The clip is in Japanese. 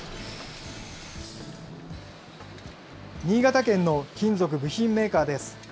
新潟県の金属部品メーカーです。